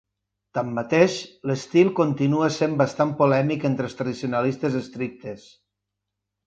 Tanmateix, l'estil continua sent bastant polèmic entre els tradicionalistes estrictes.